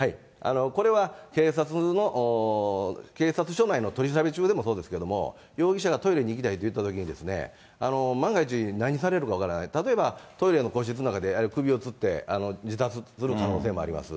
これは警察の、警察署内の取り調べ中でもそうですけども、容疑者がトイレに行きたいといったときに、万が一、何されるか分からない、例えばトイレの個室の中で首をつって自殺する可能性もあります。